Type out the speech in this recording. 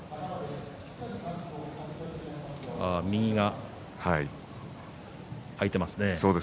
右が空いていますね。